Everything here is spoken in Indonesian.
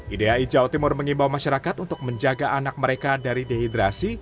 idai jawa timur mengimbau masyarakat untuk menjaga anak mereka dari dehidrasi